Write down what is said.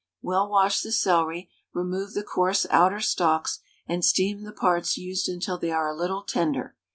Well wash the celery, remove the coarse outer stalks, and steam the parts used until they are a little tender.